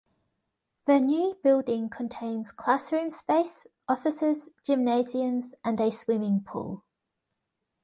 The new building contains classroom space, offices, gymnasiums and a swimming pool.